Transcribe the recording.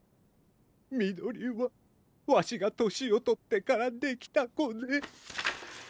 みどりはわしがとしをとってからできたこで。